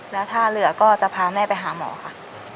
แล้วถ้าเหลือก็จะพาแม่ไปหาหมอค่ะ